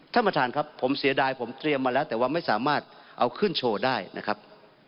ท่านประธานครับผมเสียดายผมเตรียมมาแล้วแต่ว่าไม่สามารถเอาขึ้นโชว์ได้นะครับ